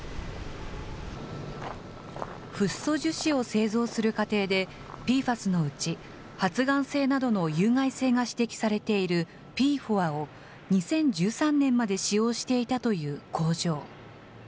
フッ素樹脂を製造する過程で、ＰＦＡＳのうち発がん性などの有害性が指摘されているＰＦＯＡを、２０１３年まで使用していたという工場。